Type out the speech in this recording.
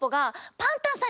パンタンさん。